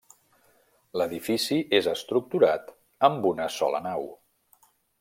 L'edifici és estructurat amb una sola nau.